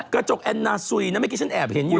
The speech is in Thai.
กระจกแอนนาซุยนะเมื่อกี้ฉันแอบเห็นอยู่